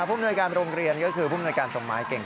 ภูมิหน่วยการโรงเรียนก็คือภูมิหน่วยการส่งหมายเก่ง